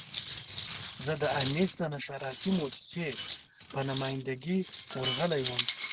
زه د انیس د نشراتي مؤسسې په نماینده ګي ورغلی وم.